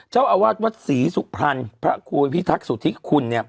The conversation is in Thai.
เจ้าอวัตวศรีสุพรรณพระครูพิธักษ์สุทธิคคุณเนี่ย